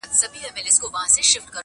نسته له ابۍ سره شرنګی په الاهو کي!!